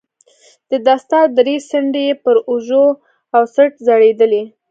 د دستار درې څنډې يې پر اوږو او څټ ځړېدې.